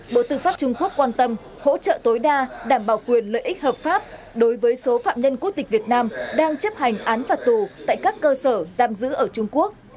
bộ tư pháp trung quốc quan tâm hỗ trợ tối đa đảm bảo quyền lợi ích hợp pháp đối với số phạm nhân quốc tịch việt nam đang chấp hành án phạt tù tại các cơ sở giam giữ ở trung quốc